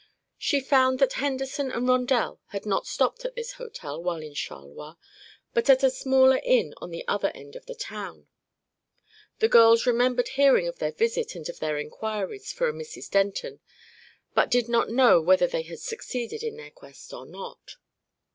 She found that Henderson and Rondel had not stopped at this hotel while in Charleroi, but at a smaller inn at the other end of the town. The girls remembered hearing of their visit and of their inquiries for a Mrs. Denton, but did not know whether they had succeeded in their quest or not.